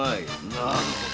なるほど。